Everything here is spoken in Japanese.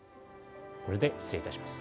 これで失礼いたします。